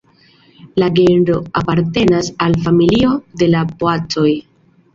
La genro apartenas al familio de la poacoj.